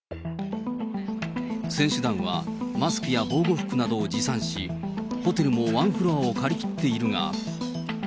選手団は、マスクや防護服などを持参し、ホテルもワンフロアを借り切っているが。